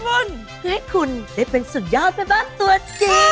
เพื่อให้คุณได้เป็นสุดยอดแม่บ้านตัวจริง